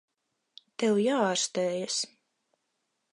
Tev jāārstējas.